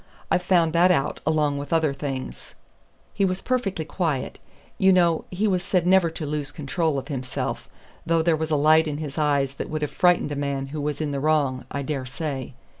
I've found that out, along with other things.' He was perfectly quiet you know he was said never to lose control of himself though there was a light in his eyes that would have frightened a man who was in the wrong, I dare say.